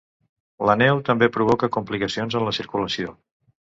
La neu també provoca complicacions en la circulació.